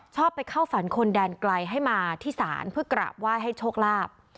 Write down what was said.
ชอบไปเข้าฝันคนแดนไกลให้มาที่ศาลเพื่อกราบไหว้ให้โชคลาภ